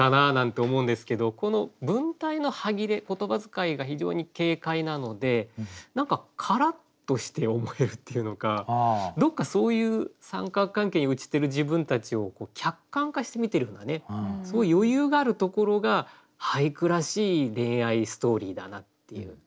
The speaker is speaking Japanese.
この文体の歯切れ言葉遣いが非常に軽快なので何かカラッとして思えるっていうのかどっかそういう三角関係に陥ってる自分たちを客観化して見てるような余裕があるところが俳句らしい恋愛ストーリーだなっていう。